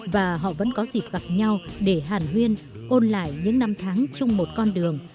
và họ vẫn có dịp gặp nhau để hàn huyên ôn lại những năm tháng chung một con đường